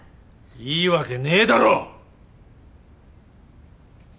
いいわけねえだろ！